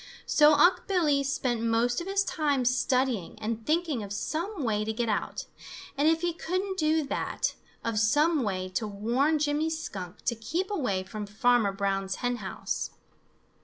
So Unc' Billy spent most of his time studying and thinking of some way to get out, and if he couldn't do that, of some way to warn Jimmy Skunk to keep away from Farmer Brown's hen house.